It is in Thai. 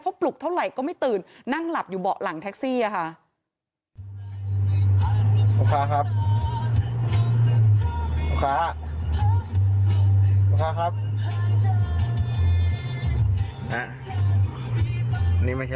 เพราะปลุกเท่าไหร่ก็ไม่ตื่นนั่งหลับอยู่เบาะหลังแท็กซี่ค่ะ